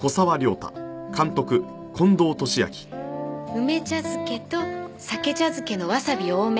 梅茶漬けと鮭茶漬けのわさび多め。